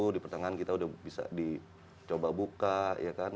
di pertengahan kita udah bisa dicoba buka ya kan